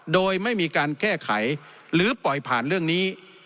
โดยไม่มีการแก้ไขหรือปล่อยผ่านเรื่องนี้